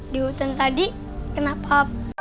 di hutan tadi kenapa